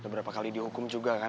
udah berapa kali dihukum juga kan